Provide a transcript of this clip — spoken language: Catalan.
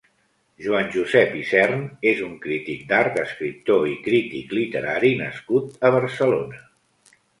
Joan Josep Isern és un crític d'art, escriptor i crític literari nascut a Barcelona.